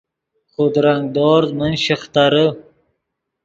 خودرنگ دورز من شیخترے